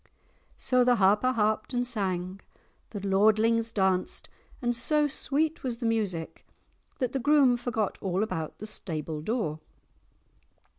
'" So the Harper harped and sang, the lordlings danced, and so sweet was the music that the groom forgot all about the stable door.